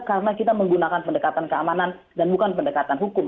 karena kita menggunakan pendekatan keamanan dan bukan pendekatan hukum